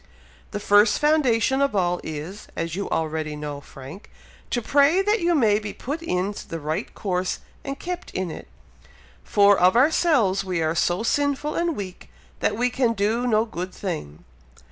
"The first foundation of all is, as you already know, Frank, to pray that you may be put in the right course and kept in it, for of ourselves we are so sinful and weak that we can do no good thing.